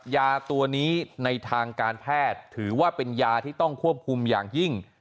ยาตัวนี้ในทางการแพทย์ถือว่าเป็นยาที่ต้องควบคุมอย่างยิ่ง